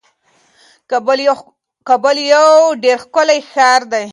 کابل یو ډیر ښکلی ښار دی.